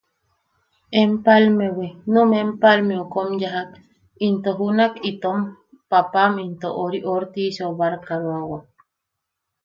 Empalmewi, num Empalmeu kom yajak, into junak itom paapam into... oriu... Ortiseu barkaroawak.